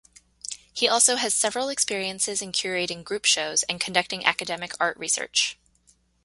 He also has several experiences in curating group shows and conducting academic art research.